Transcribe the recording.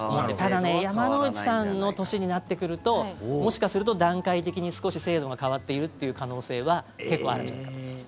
ただ、山之内さんの年になってくるともしかすると段階的に少し制度が変わっているという可能性は結構あるんじゃないかと思います。